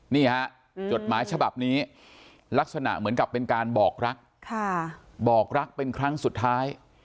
นี่ฮะจดหมายฉบับนี้ลักษณะเหมือนกับเป็นการบอกรักบอกรักเป็นครั้งสุดท้าย